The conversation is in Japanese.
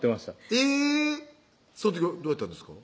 えぇその時どうやったんですか？